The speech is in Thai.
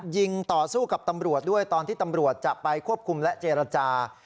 ยิงต่อสู้กับตำรวจด้วยตอนที่ตำรวจจะไปควบคุมและเจรจา